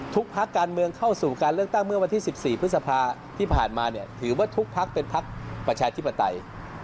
พักการเมืองเข้าสู่การเลือกตั้งเมื่อวันที่๑๔พฤษภาที่ผ่านมาเนี่ยถือว่าทุกพักเป็นพักประชาธิปไตย